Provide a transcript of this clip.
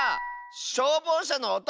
しょうぼうしゃのおと！